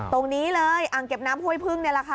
ตรงนี้เลยอ่างเก็บน้ำห้วยพึ่งนี่แหละค่ะ